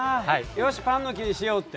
よしパンの木にしよう」って？